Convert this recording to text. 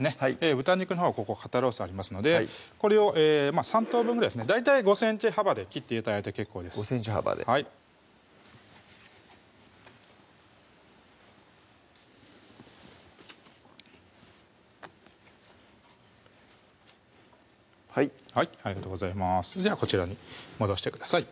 豚肉のほうはここ肩ロースありますのでこれを３等分ぐらいですね大体５ｃｍ幅で切って頂いて結構です５ｃｍ幅ではいはいありがとうございますじゃあこちらに戻してください